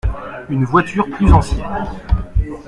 Une voiture plus ancienne.